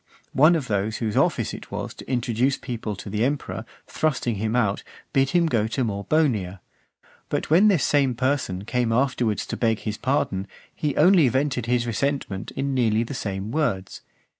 one of those whose office it was to introduce people to the emperor, thrusting him out, bid him go to Morbonia . But when this same person came afterwards to beg his pardon, he only vented his resentment in nearly the same words.